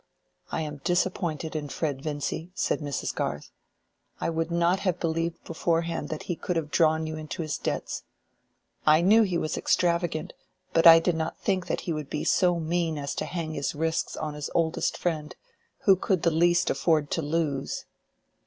"I am disappointed in Fred Vincy," said Mrs. Garth. "I would not have believed beforehand that he would have drawn you into his debts. I knew he was extravagant, but I did not think that he would be so mean as to hang his risks on his oldest friend, who could the least afford to lose."